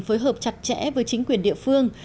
phối hợp chặt chẽ với chính quyền địa phương